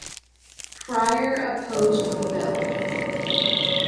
Pryor opposed the bill.